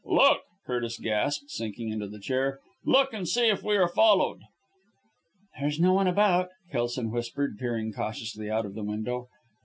"Look!" Curtis gasped, sinking into the chair. "Look and see if we are followed!" "There's no one about!" Kelson whispered, peering cautiously out of the window.